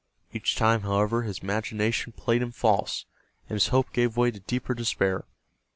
Each, time, however, his imagination played him false, and his hope gave way to deeper despair.